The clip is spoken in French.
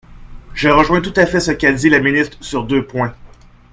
Je rejoins tout à fait ce qu’a dit la ministre sur deux points.